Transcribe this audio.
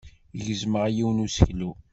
Gezmeɣ yiwen n useklu.